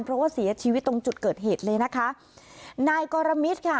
เพราะว่าเสียชีวิตตรงจุดเกิดเหตุเลยนะคะนายกรมิตรค่ะ